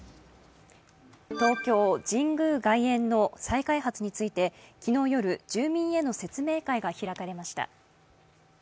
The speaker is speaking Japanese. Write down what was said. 東京・神宮外苑の再開発について昨日夜、住民への説明会が開かれました。